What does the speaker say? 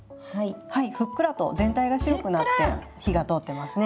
ふっくらと全体が白くなって火が通ってますね。